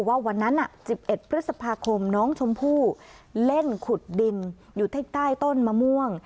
ว่าวันนั้น๑๑พฤษภาคมน้องชมพู่เล่นขุดดินอยู่ที่ใต้ต้นมะม่วง